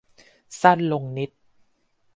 สั้นลงนิด